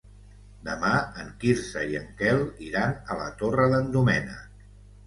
Demà en Quirze i en Quel iran a la Torre d'en Doménec.